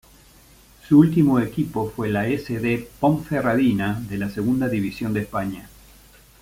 Su último equipo fue la S. D. Ponferradina de la Segunda División de España.